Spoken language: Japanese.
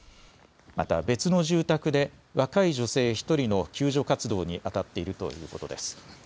また別の住宅で若い女性１人の救助活動にあたっているということです。